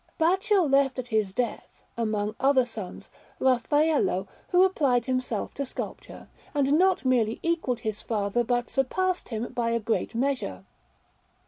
Baccio left at his death, among other sons, Raffaello, who applied himself to sculpture, and not merely equalled his father, but surpassed him by a great measure.